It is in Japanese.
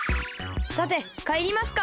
さてかえりますか。